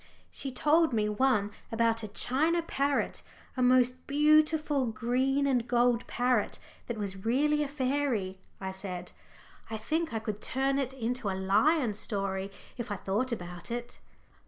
"She told me one about a china parrot, a most beautiful green and gold parrot, that was really a fairy," I said. "I think I could turn it into a lion story, if I thought about it."